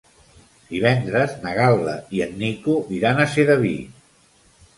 Divendres na Gal·la i en Nico iran a Sedaví.